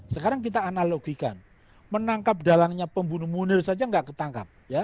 sekarang kita analogikan menangkap dalangnya pembunuh munir saja nggak ketangkap